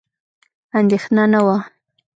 اندېښنه نه وه.